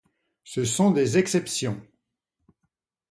Ce sont des exceptions.